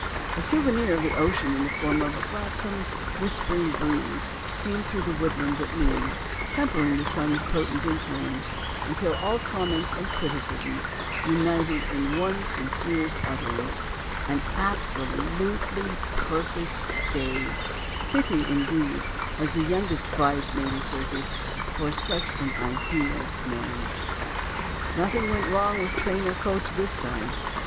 A souvenir of the ocean in the form of a gladsome, whispering breeze came through the woodland at noon, tempering the sun's potent influence, until all comments and criticisms united in one sincerest utterance, an absolutely perfect day, fitting, indeed, as the youngest bridesmaid asserted, for such an ideal marriage. Nothing went wrong with train or coach this time.